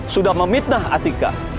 sudah memitnah atika